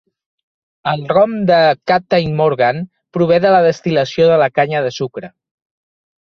El rom de Captain Morgan prové de la destil·lació de la canya de sucre.